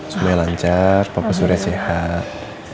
semuanya lancar papa surya sehat